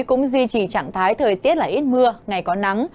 cũng duy trì trạng thái thời tiết là ít mưa ngày có nắng